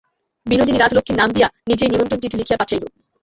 বিনোদিনী রাজলক্ষ্মীর নাম দিয়া নিজেই নিমন্ত্রণ-চিঠি লিখিয়া পাঠাইল।